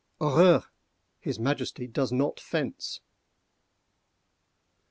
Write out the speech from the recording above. Horreur! his Majesty does not fence!